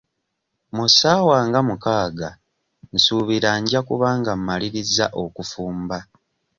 Mu ssaawa nga mukaaga nsuubira nja kuba nga mmalirizza okufumba.